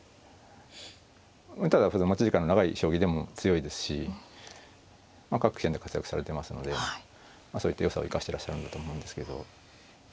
ただ持ち時間の長い将棋でも強いですし各棋戦で活躍されてますのでそういったよさを生かしてらっしゃるんだと思うんですけど。